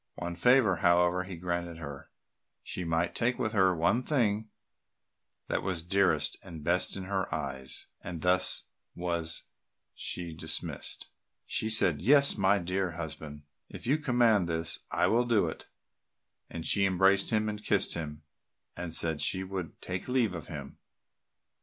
One favour, however, he granted her; she might take with her the one thing that was dearest and best in her eyes; and thus was she dismissed. She said, "Yes, my dear husband, if you command this, I will do it," and she embraced him and kissed him, and said she would take leave of him.